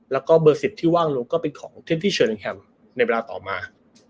แล้วก็เบอร์๑๐ที่ว่างลงก็เป็นของเทปที่เชอริงแฮมในเวลาต่อมา